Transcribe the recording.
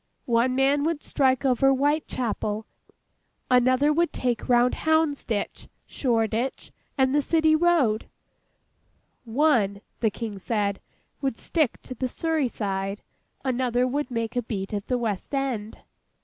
One man would strike over Whitechapel, another would take round Houndsditch, Shoreditch, and the City Road; one (the King said) would stick to the Surrey side; another would make a beat of the West end.